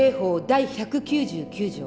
第１９９条